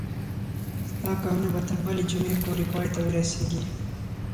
ستا کارونه به تر بلې جمعې پورې پای ته ورسیږي.